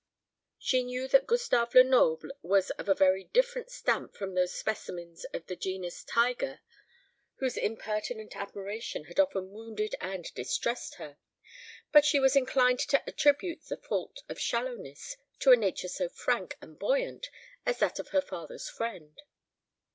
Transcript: She knew that Gustave Lenoble was of a very different stamp from those specimens of the genus tiger whose impertinent admiration had often wounded and distressed her; but she was inclined to attribute the fault of shallowness to a nature so frank and buoyant as that of her father's friend.